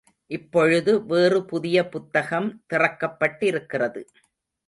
இப்பொழுது வேறு புதிய புத்தகம் திறக்கப்பட்டிருக்கிறது.